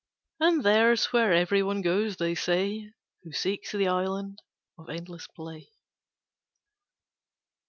And there's where every one goes, they say, Who seeks the Island of Endless Play.